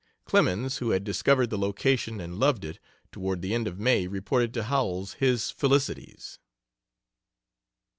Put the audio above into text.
Clemens, who had discovered the location, and loved it, toward the end of May reported to Howells his felicities.